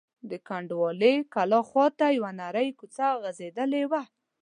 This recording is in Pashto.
د کنډوالې کلا خواته یوه نرۍ کوڅه غځېدلې وه.